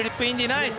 ナイス！